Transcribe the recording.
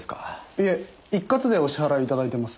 いえ一括でお支払い頂いてます。